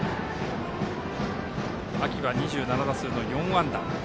秋は２７打数の４安打。